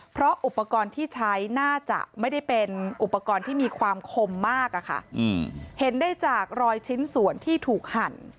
เพราะอุปกรณ์ที่ใช้น่าจะไม่ได้เป็นอุปกรณ์ที่มีความคมมากอะค่ะ